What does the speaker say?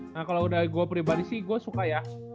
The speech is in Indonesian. nah kalau dari gue pribadi sih gue suka ya